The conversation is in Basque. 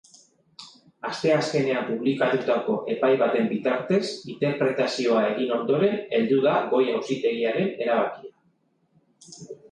Asteazkenean publikatutako epai baten bitartez interpretazioa egin ondoren heldu da goi auzitegiaren erabakia.